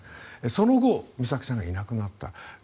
その後、美咲さんがいなくなった。